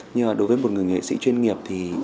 nhưng mà đối với một người nghệ sĩ chuyên nghiệp thì